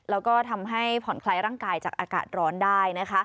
แล้วก็ทำให้ผ่อนคลายร่างกายจากอากาศร้อนได้นะคะ